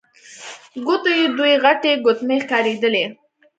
ګوتو يې دوې غټې ګوتمۍ ښکارېدلې.